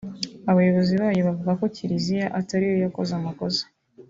abayobozi bayo bavuga ko Kiliziya atari yo yakoze amakosa